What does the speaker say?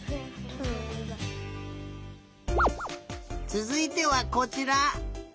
つづいてはこちら。